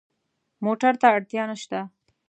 موټر ته اړتیا نه شته.